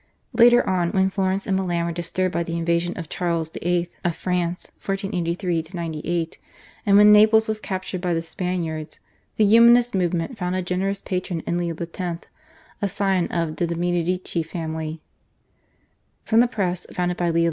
Later on when Florence and Milan were disturbed by the invasion of Charles VIII. of France (1483 98), and when Naples was captured by the Spaniards the Humanist movement found a generous patron in Leo X., a scion of de' Medici family. From the press founded by Leo X.